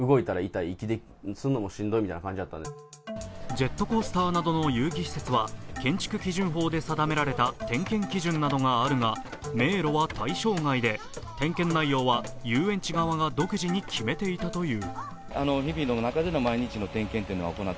ジェットコースターなどの遊戯施設は建築基準法で定められた点検基準などがあるが迷路は対象外で点検内容は遊園地側が独自に決めていたという。